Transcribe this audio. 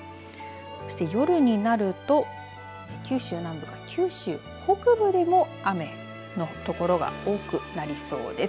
そして夜になると九州南部から九州北部でも雨のところが多くなりそうです。